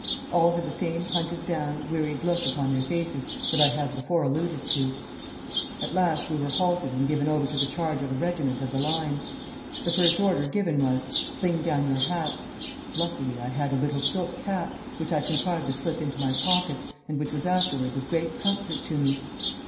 All had the same hunted down, wearied look upon their faces that I have before alluded to. At last we were halted and given over to the charge of a regiment of the line. The first order given was, 'Fling down your hats!' Luckily I had a little silk cap, which I contrived to slip into my pocket, and which was afterwards of great comfort to me.